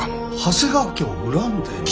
長谷川家を恨んでいる？